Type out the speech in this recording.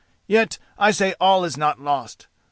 Yet I say all is not lost.